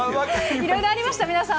いろいろありました、皆さん。